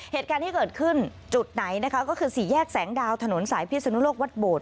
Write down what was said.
เหตุการณ์ที่เกิดขึ้นจุดไหนนะคะก็คือสี่แยกแสงดาวถนนสายพิศนุโลกวัดโบด